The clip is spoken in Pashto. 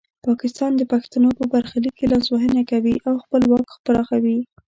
پاکستان د پښتنو په برخلیک کې لاسوهنه کوي او خپل واک پراخوي.